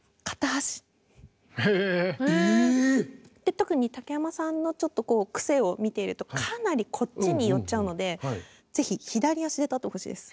特に竹山さんのちょっと癖を見てるとかなりこっちに寄っちゃうので左足で立つ？